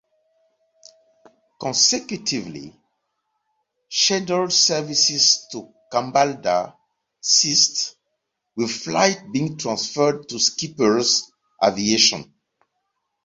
Consecutively, scheduled services to Kambalda ceased, with flights being transferred to Skippers Aviation.